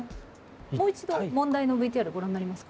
もう一度問題のＶＴＲご覧になりますか？